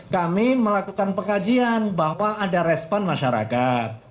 kami melakukan pengkajian bahwa ada respon masyarakat